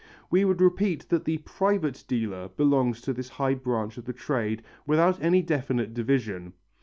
We would repeat that the "private dealer" belongs to this high branch of the trade without any definite division.